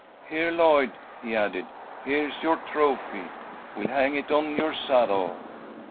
Here, Lloyd," he added. "Here's your trophy. We'll hang it on your saddle."